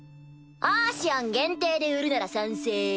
アーシアン限定で売るなら賛成。